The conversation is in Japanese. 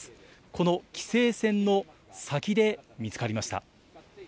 この規制線の先で見つかりました。